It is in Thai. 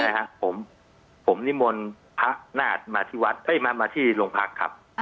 ไม่ใช่ครับผมนิมนต์พระนาฏมาที่วัดไม่มาที่โรงพรรคครับ